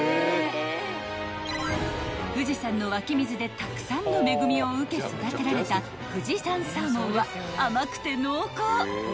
［富士山の湧き水でたくさんの恵みを受け育てられた富士山サーモンは甘くて濃厚］